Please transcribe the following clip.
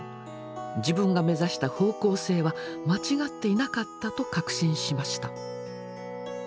自分が目指した方向性は間違っていなかったと確信しました。